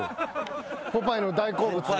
ポパイの大好物。